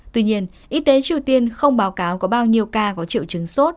tuy nhiên y tế triều tiên không báo cáo có bao nhiêu ca có triệu chứng sốt